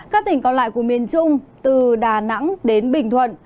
các tỉnh còn lại của miền trung từ đà nẵng đến bình thuận